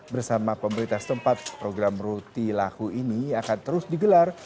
bersama pemerintah setempat program rutilahu ini akan terus digelar